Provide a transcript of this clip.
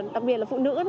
đặc biệt là phụ nữ